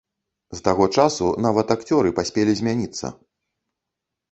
З таго часу нават акцёры паспелі змяніцца.